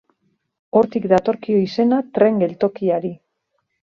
Hortik datorkio izena tren geltokiari.